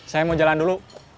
saya mau jalan dulu